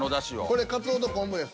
これカツオと昆布です。